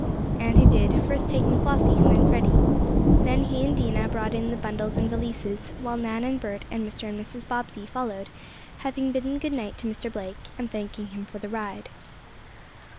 And he did, first taking Flossie, and then Freddie. Then he and Dinah brought in the bundles and valises, while Nan and Bert and Mr. and Mrs. Bobbsey followed, having bidden goodnight to Mr. Blake, and thanking him for the ride.